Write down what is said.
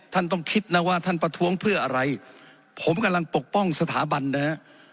ท่านต้องคิดนะว่าท่านประท้วงเพื่ออะไรผมกำลังปกป้องสถาบันนะฮะ